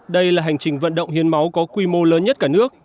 đây là hành trình vận động hiến máu có quy mô lớn nhất cả nước